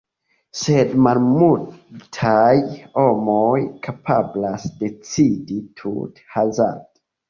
Sed malmultaj homoj kapablas decidi tute hazarde.